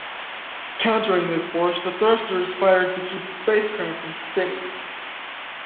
Countering this force, the thrusters fired to keep the spacecraft from spinning.